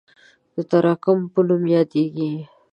د تراکم په نوم یادیږي.